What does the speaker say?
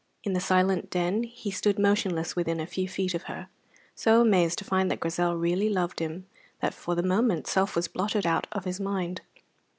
In the silent Den he stood motionless within a few feet of her, so amazed to find that Grizel really loved him that for the moment self was blotted out of his mind.